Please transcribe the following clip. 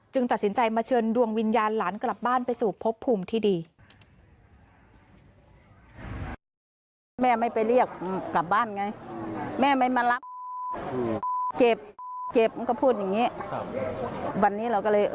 ตัดสินใจมาเชิญดวงวิญญาณหลานกลับบ้านไปสู่พบภูมิที่ดี